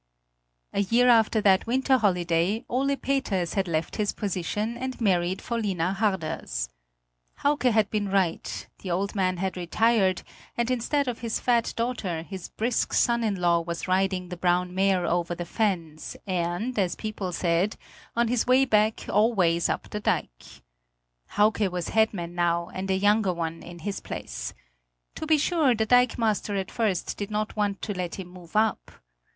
A year after that winter holiday Ole Peters had left his position and married Vollina Harders. Hauke had been right: the old man had retired, and instead of his fat daughter his brisk son in law was riding the brown mare over the fens and, as people said, on his way back always up the dike. Hauke was head man now, and a younger one in his place. To be sure, the dikemaster at first did not want to let him move up.